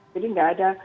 jadi nggak ada